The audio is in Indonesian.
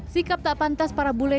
sikap tak pantas para budi ini